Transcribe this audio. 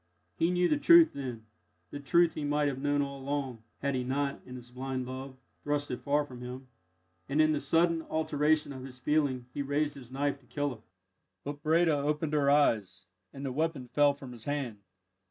He knew the truth then the truth he might have known all along, had he not, in his blind love, thrust it far from him and, in the sudden alteration of his feeling, he raised his knife to kill her. But Breda opened her eyes, and the weapon fell from his hand.